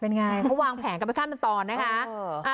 เป็นไงเขาวางแผงกลับไปข้ามตอนนะคะ